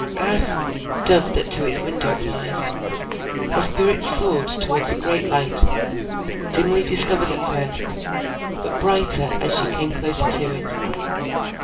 As "dove that to its window flies," her spirit soared towards a great light, dimly discovered at first, but brighter as she came closer to it.